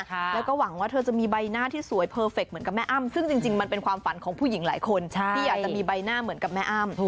แล้วก็หวังว่าเธอจะมีใบหน้าที่สวยเพอร์เฟคเหมือนกับแม่อ้ำซึ่งจริงมันเป็นความฝันของผู้หญิงหลายคนที่อยากจะมีใบหน้าเหมือนกับแม่อ้ำ